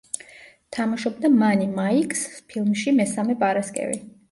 თამაშობდა მანი მაიკს ფილმში „მესამე პარასკევი“.